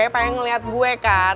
pengen ngeliat gua kan